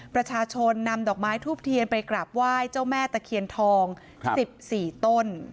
ประชาชนนำดอกไม้ทูบเทียนไปกราบไหว้เจ้าแม่ตะเคียนทอง๑๔ต้น